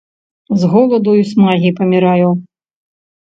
з голаду i смагi памiраю...